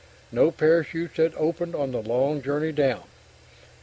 No parachutes had opened on the long journey down.